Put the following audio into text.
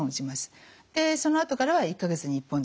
そのあとからは１か月に１本ずつです。